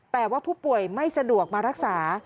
แต่ว่าผู้ป่วยไม่สะดวกมารักษา